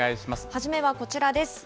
初めはこちらです。